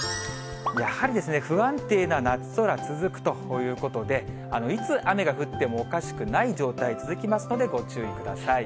やはりですね、不安定な夏空続くということで、いつ雨が降ってもおかしくない状態続きますので、ご注意ください。